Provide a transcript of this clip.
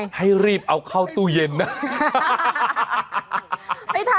นี่ติดกันอยู่สองหนุ่มนี่ค่ะ